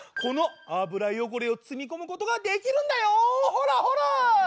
ほらほら。